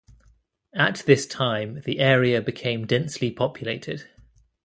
At this time, the area became densely populated.